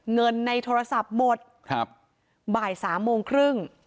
เงินในโทรศัพท์หมดครับบ่ายสามโมงครึ่ง